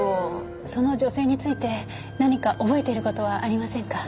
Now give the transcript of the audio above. その女性について何か覚えている事はありませんか？